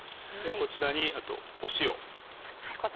こちらにあと塩。